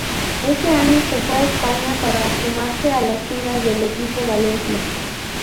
Ese año se fue a España para sumarse a las filas del equipo Valencia.